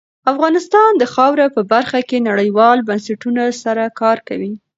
افغانستان د خاوره په برخه کې نړیوالو بنسټونو سره کار کوي.